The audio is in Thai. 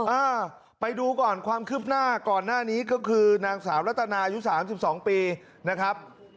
อ้าไปดูก่อนความคืบหน้าก่อนหน้านี้ก็คือนางสามละตนายุสามสิบสองปีนะครับ